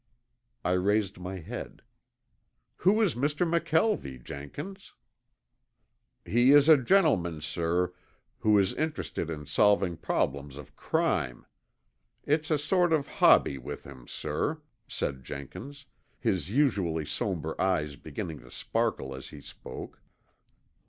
I raised my head. "Who is Mr. McKelvie, Jenkins?" "He is a gentleman, sir, who is interested in solving problems of crime. It's a sort of hobby with him, sir," said Jenkins, his usually somber eyes beginning to sparkle as he spoke.